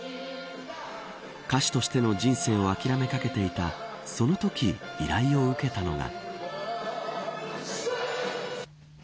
歌手としての人生を諦めかけていた、そのとき依頼を受けたのが。